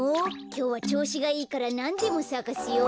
きょうはちょうしがいいからなんでもさかすよ。